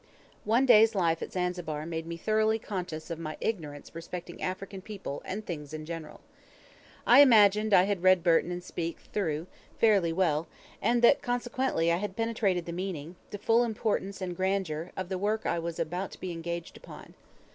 One day's life at Zanzibar made me thoroughly conscious of my ignorance respecting African people and things in general. I imagined I had read Burton and Speke through, fairly well, and that consequently I had penetrated the meaning, the full importance and grandeur, of the work I was about to be engaged upon.